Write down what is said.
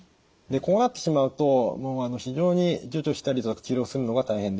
でこうなってしまうともう非常に除去したり治療するのが大変です。